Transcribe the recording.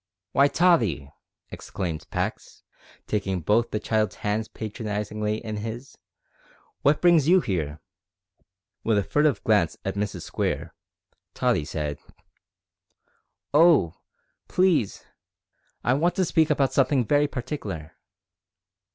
"W'y, Tottie!" exclaimed Pax, taking both the child's hands patronisingly in his, "what brings you here?" With a furtive glance at Mrs Square, Tottie said, "Oh! please, I want to speak about something very partikler."